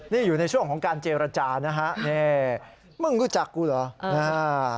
นี่อยู่ในช่วงของการเจรจานะฮะนี่มึงรู้จักกูเหรอนะฮะ